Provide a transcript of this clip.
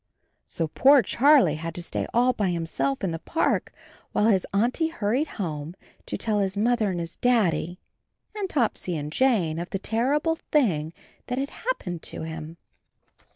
So poor Charlie had to stay all by himself in the park, while his Auntie hurried home to tell his Mother and his Daddy and Topsy and Jane of the terrible thing that had hap^ pened to him.